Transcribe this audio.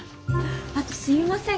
あとすみません